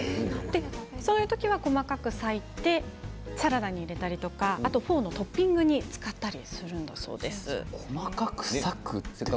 そういう時は細かく裂いてサラダに入れたりフォーのトッピングに使ったりするんです。